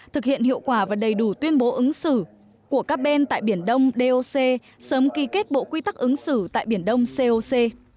thực hiện hiệu quả và đầy đủ tuyên bố ứng xử của các bên tại biển đông doc sớm ký kết bộ quy tắc ứng xử tại biển đông coc